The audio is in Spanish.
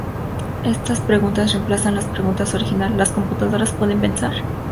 Estas preguntas reemplazan la pregunta original, ¿las computadoras pueden pensar?